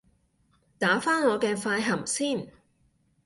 打返我嘅快含先